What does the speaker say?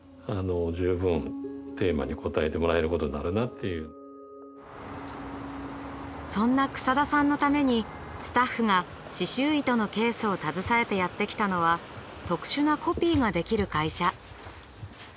とはいえでもそんな草田さんのためにスタッフが刺しゅう糸のケースを携えてやって来たのは特殊なコピーができる会社。